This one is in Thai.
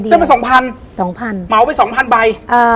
เหมาไป๒๐๐๐ใบ